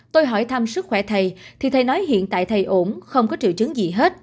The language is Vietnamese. tôi hỏi thăm sức khỏe thầy thì thầy nói hiện tại thầy ổn không có triệu chứng gì hết